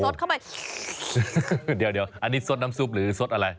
สดเข้าไปเดี๋ยวอันนี้สดน้ำซุปหรือสดอะไร